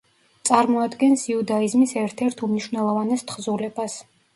წარმოადგენს იუდაიზმის ერთ-ერთ უმნიშვნელოვანეს თხზულებას.